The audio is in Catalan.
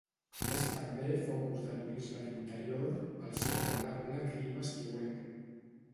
És també focus de turisme d'interior pel seu agradable clima estiuenc.